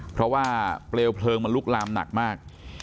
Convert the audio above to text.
เพราะว่าเปลวเพลิงมันลุกลามหนักมาก